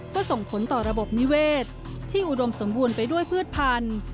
ก็ส่งผลต่อระบบนิเวศที่อุดมสมบูรณ์ไปด้วยพืชพันธุ์